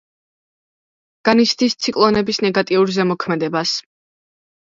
განიცდის ციკლონების ნეგატიურ ზემოქმედებას.